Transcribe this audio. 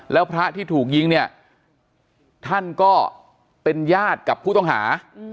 แล้วพระที่ถูกยิงเนี่ยท่านก็เป็นญาติกับผู้ต้องหา